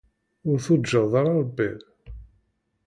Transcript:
Ur turǧaḍ ara Ṛebbi!